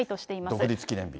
独立記念日に。